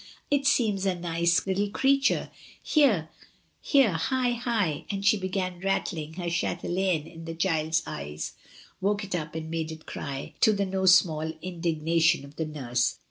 "It seems a nice little creature. Here, here, hi, hi," and she began rattling her chdieJaine in the child's eyes, woke it up and made it cry^ to the no small indignation of the nurse.